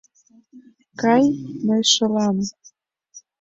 — Кай, мый шылам.